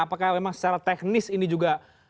apakah memang secara teknis ini juga